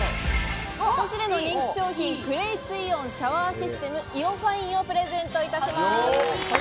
ポシュレの人気賞品「クレイツイオンシャワーシステムＩＯファイン」をプレゼントいたします。